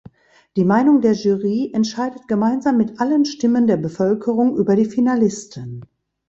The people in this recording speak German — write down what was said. Die Meinung der Jury entscheidet gemeinsam mit allen Stimmen der Bevölkerung über die Finalisten.